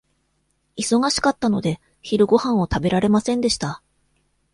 忙しかったので、昼ごはんを食べられませんでした。